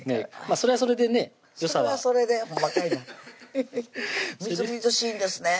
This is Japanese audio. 「それはそれで」ほんまかいなみずみずしいんですね